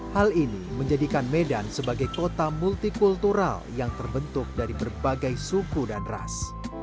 hal ini menjadikan medan sebagai kota multikultural yang terbentuk dari berbagai suku dan ras